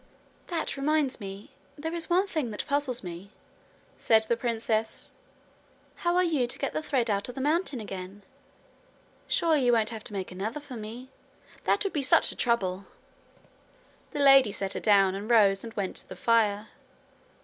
'That reminds me there is one thing that puzzles me,' said the princess: 'how are you to get the thread out of the mountain again? Surely you won't have to make another for me? That would be such a trouble!' The lady set her down and rose and went to the fire.